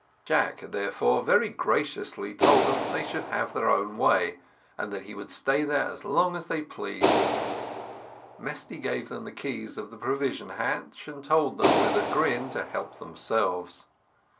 Jack, therefore, very graciously told them, that they should have their own way, and he would stay there as long as they pleased. Mesty gave them the keys of the provision hatch, and told them, with a grin, to help themselves.